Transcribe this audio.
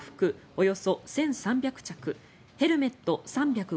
およそ１３００着ヘルメット３５０個